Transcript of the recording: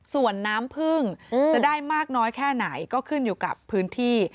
ส่วนน้ำพึ่งจะได้มากน้อยแค่ไหนก็ขึ้นอยู่กับพื้นที่